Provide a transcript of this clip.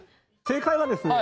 正解はですね